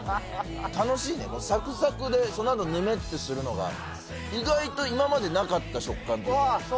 楽しいね、このさくさくで、そのあと、ぬめってするのが、意外と今までなかった食感と。